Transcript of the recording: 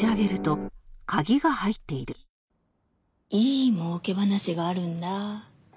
いい儲け話があるんだ。